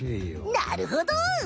なるほど！